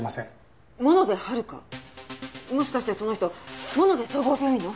もしかしてその人物部総合病院の？